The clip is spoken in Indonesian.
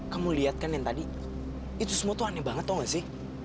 kamu lihat kan yang tadi itu semua tuh aneh banget atau gak sih